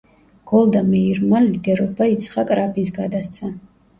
გოლდა მეირმა ლიდერობა იცხაკ რაბინს გადასცა.